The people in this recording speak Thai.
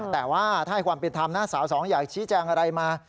แต่ว่าถ้าให้ความเป็นธรรมนะสาวสองอยากชี้แจงอะไรมา